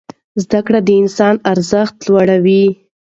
زده کړه د انسان ارزښت لوړوي.